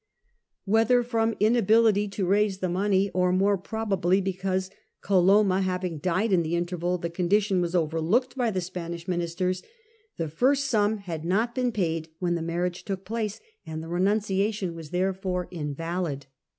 Whether from inability to raise the money, or more probably because, Coloma having died in the interval, the condition was overlooked by the __ Spanish ministers, the first sum had not been The renun* .....,,., ciation paid when the marriage took place, and the invalid. renunciation was therefore invalid.